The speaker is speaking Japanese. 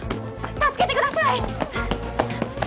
助けてください